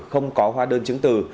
không có hoa đơn chứng từ